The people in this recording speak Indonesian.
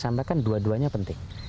sampaikan dua duanya penting